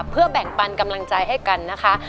เพื่อแบ่งปันกำลังใจให้กันนะคะ